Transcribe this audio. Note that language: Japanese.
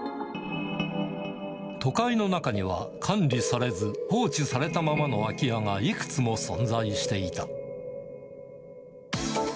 都会の中には、管理されず、放置されたままの空き家がいくつも存在していた。